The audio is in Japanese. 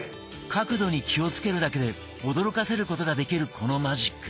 角度に気をつけるだけで驚かせることができるこのマジック。